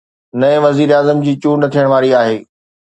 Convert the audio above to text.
نئين وزيراعظم جي چونڊ ٿيڻ واري آهي.